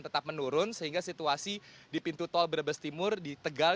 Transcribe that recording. tetap menurun sehingga situasi di pintu tol brebes timur di tegal